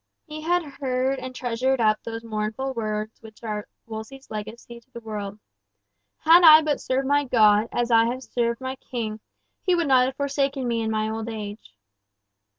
He had heard and treasured up those mournful words which are Wolsey's chief legacy to the world, "Had I but served my God, as I have served my king, He would not have forsaken me in my old age."